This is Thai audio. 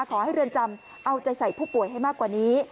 เรือนจำเอาใจใส่ผู้ป่วยให้มากกว่านี้